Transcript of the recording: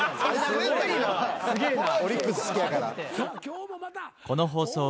すげえな。